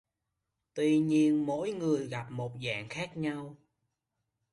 Tuy nhiên mỗi người gặp một dạng khác nhau